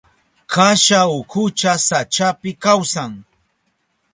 Kasha ukucha sachapi kawsan.